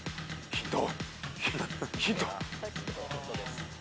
ヒント。